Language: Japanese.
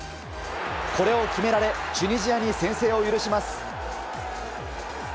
これを決められチュニジアに先制を許します。